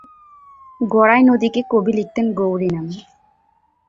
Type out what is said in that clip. গড়াই নদীকে কবি লিখতেন গৌরী নামে।